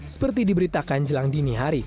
seperti diberitakan jelang dini hari